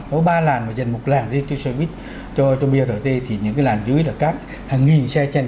có ba làn mà dành một làn đi tuyến xe buýt cho brt thì những cái làn dưới là cắt hàng nghìn xe chanh